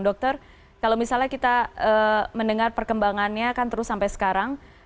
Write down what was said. dokter kalau misalnya kita mendengar perkembangannya kan terus sampai sekarang